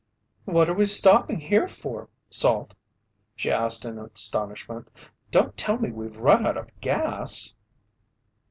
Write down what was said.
"What are we stopping here for, Salt?" she asked in astonishment. "Don't tell me we've run out of gas!"